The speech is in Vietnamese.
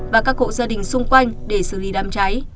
và các hộ gia đình xung quanh để xử lý đám cháy